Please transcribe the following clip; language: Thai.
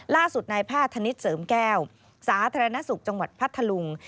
ล่าสุดนายแพทย์ธนิษฐ์เสริมแก้วสาธารณสุขจังหวัดพัทธลุง